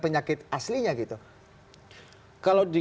untuk menurut anda